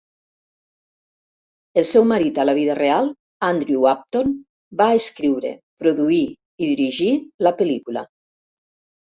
El seu marit a la vida real, Andrew Upton, va escriure, produir i dirigir la pel·lícula.